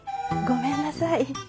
ごめんなさい。